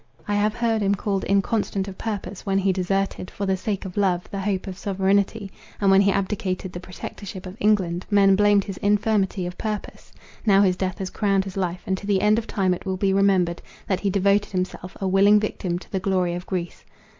I have heard him called inconstant of purpose—when he deserted, for the sake of love, the hope of sovereignty, and when he abdicated the protectorship of England, men blamed his infirmity of purpose. Now his death has crowned his life, and to the end of time it will be remembered, that he devoted himself, a willing victim, to the glory of Greece.